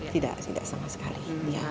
tidak sama sekali